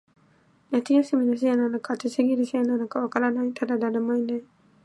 夏休みのせいなのか、暑すぎるせいなのか、わからない、ただ、誰もいない